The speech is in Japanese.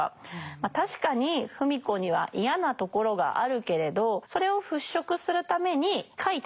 ま確かに芙美子には嫌なところがあるけれどそれを払拭するために書いて書いて書きまくった。